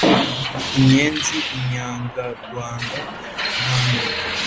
Inyenzi inyangarwanda Nandi.